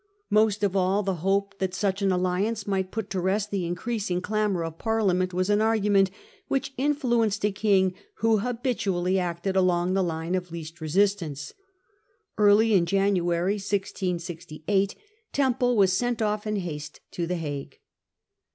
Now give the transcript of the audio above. Most of all, the hope that such an alliance might put to rest the increasing clamour of Par liament was an argument which influenced a King who 1668. 160 The Triple Alliance. habitually acted along the line of least resistance. Early in January 1668 Temple was sent off in haste to the Hague.